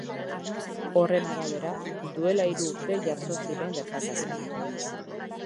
Horren arabera, duela hiru urte jazo ziren gertakariak.